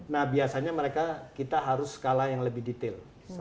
nah biasanya mereka kita harus skala yang lebih detail